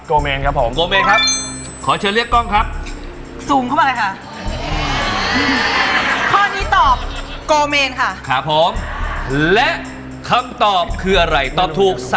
ครับผมมีประจำเดือนเกิดเดือนตุลาคมคือโอปอค่ะ